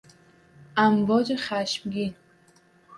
امواج خشمگین